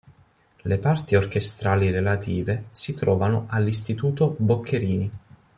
Le parti orchestrali relative si trovano all'Istituto Boccherini.